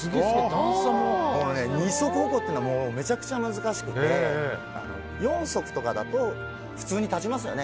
二足歩行というのはめちゃくちゃ難しくて四足とかだと普通に立ちますよね。